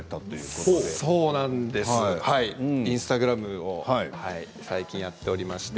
インスタグラム最近やっておりまして。